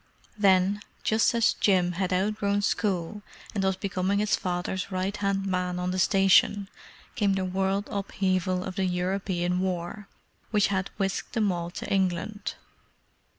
Then, just as Jim had outgrown school and was becoming his father's right hand man on the station, came the world upheaval of the European War, which had whisked them all to England.